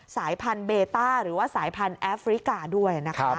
สายพันธุเบต้าหรือว่าสายพันธุ์แอฟริกาด้วยนะคะ